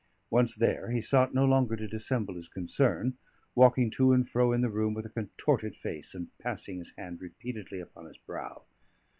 Once there, he sought no longer to dissemble his concern, walking to and fro in the room with a contorted face, and passing his hand repeatedly upon his brow.